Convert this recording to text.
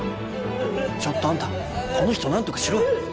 ちょっとあんたこの人何とかしろ。